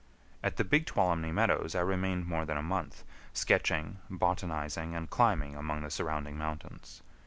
At the Big Tuolumne Meadows I remained more than a month, sketching, botanizing, and climbing among the surrounding mountains.